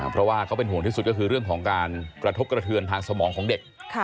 เพราะว่าเขาเป็นห่วงที่สุดก็คือเรื่องของการกระทบกระเทือนทางสมองของเด็ก